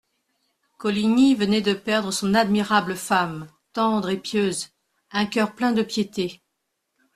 Coligny venait de perdre son admirable femme, tendre et pieuse, un coeur plein de pitié.